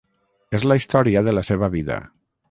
És la història de la seva vida.